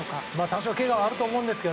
多少けがはあると思いますが。